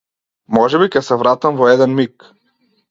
Можеби ќе се вратам во еден миг.